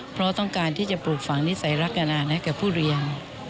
เพราะต้องการที่จะปลูกฝังนิสัยรักนานให้กับผู้เรียน